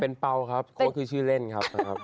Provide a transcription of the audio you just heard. เป็นเปล่าครับโค้ดคือชื่อเล่นครับนะครับ